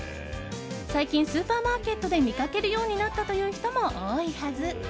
最近、スーパーマーケットで見かけるようになったという人も多いはず。